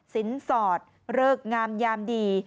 สินสอดเริกงามยามดี